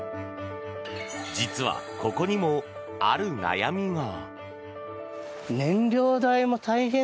実はここにも、ある悩みが。